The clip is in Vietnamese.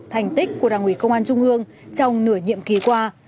thành tích của đảng ủy công an trung hương trong nửa nhiệm kỳ qua